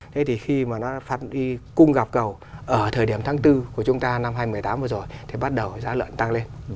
thế thì khi mà nó đi cung gặp cầu ở thời điểm tháng bốn của chúng ta năm hai nghìn một mươi tám vừa rồi thì bắt đầu giá lợn tăng lên